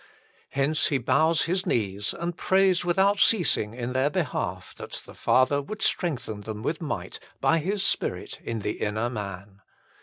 Hence he bows his knees and prays without ceasing in their behalf that the Father would strengthen them with might by His Spirit in the inner man.